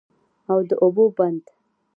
او د اوبو بند